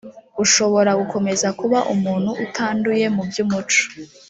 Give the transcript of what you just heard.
ushobora gukomeza kuba umuntu utanduye mu by umuco